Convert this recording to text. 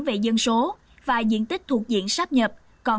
về dân số và diện tích thuộc diện sắp nhập